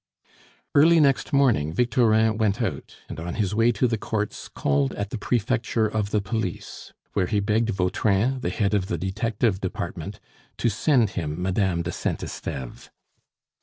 Early next morning Victorin went out, and on his way to the Courts called at the Prefecture of the Police, where he begged Vautrin, the head of the detective department, to send him Madame de Saint Esteve.